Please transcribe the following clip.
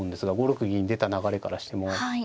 ５六銀出た流れからしても。